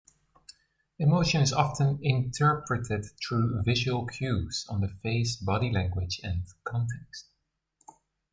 Emotion is often interpreted through visual cues on the face, body language and context.